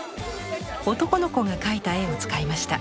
男の子が描いた絵を使いました。